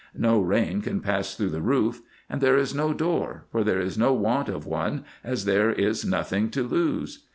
No rain can pass through the roof; and there is no door, for there is no want of one, as there is nothing to lose.